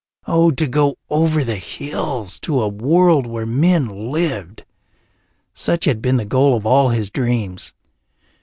Oh, to go over the hills to a world where men lived! Such had been the goal of all his dreams.